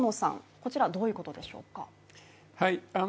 こちらはどういうことでしょうか